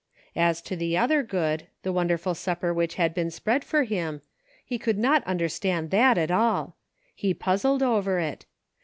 As to the other good, the wonderful supper which had been spread for him, he could not understand that at all. He puzzled over it.